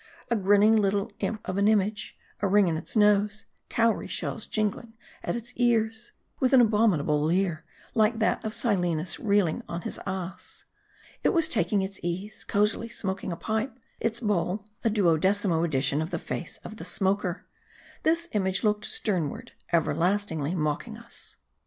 A grinning little imp of an image ; a ring in its nose ; cowrie shells jingling at its ears ; with an abom inable leer, like that of Silenus reeling on his ass. It was taking its ease ; cosily smoking a pipe ; its bowl, a duodecimo edition of the face of the smoker. This image looked stern ward ; everlastingly mocking us.